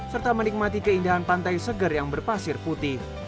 serta menikmati keindahan pantai seger yang berpasir putih